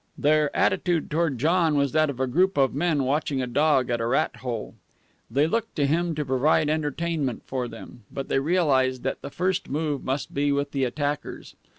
Their attitude toward John was that of a group of men watching a dog at a rat hole. They looked to him to provide entertainment for them, but they realized that the first move must be with the attackers.